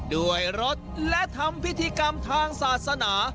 ด้วยรถและทำพิธีกรรมทางศาสนา